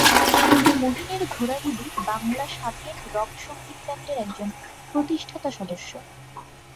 তিনি মহীনের ঘোড়াগুলি বাংলা স্বাধীন রক সঙ্গীত ব্যান্ডের একজন প্রতিষ্ঠাতা সদস্য।